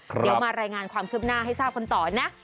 เดี๋ยวมารายงานความคืบหน้าให้ทราบกันต่อนะ